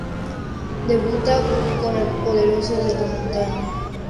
Debuta con el Poderoso de la Montaña.